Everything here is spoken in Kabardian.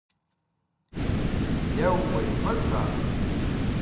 Еууей! Куэд щӏа?